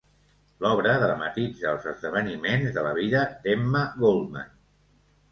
L'obra dramatitza els esdeveniments de la vida d'Emma Goldman.